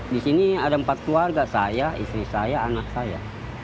di sini ada empat keluarga saya istri saya anak saya